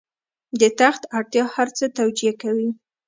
د تخت اړتیا هر څه توجیه کوي.